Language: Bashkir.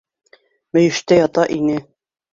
Мөйөштә ята ине.